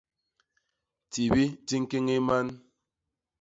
Tibi di ñkéñéé man.